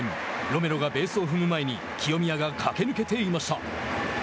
ロメロがベースを踏む前に清宮が駆け抜けていました。